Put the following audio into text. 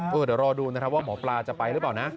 เดี๋ยวรอดูนะครับว่าหมอปลาจะไปหรือเปล่านะ